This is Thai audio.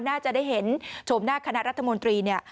น่าจะได้เห็นชมหน้าคณะรัฐมนตรีเนี่ย